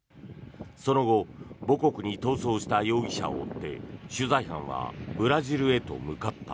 その後、母国に逃走した容疑者を追って取材班はブラジルへと向かった。